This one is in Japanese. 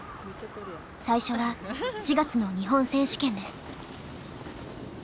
最初は４月の日本選手権です。